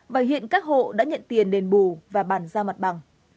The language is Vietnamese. và hiện các hộ đã nhận tiền đền bù và bàn giao mặt bằng